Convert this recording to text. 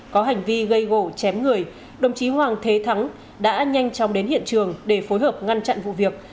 có hành vi gây gỗ chém người đồng chí hoàng thế thắng đã nhanh chóng đến hiện trường để phối hợp ngăn chặn vụ việc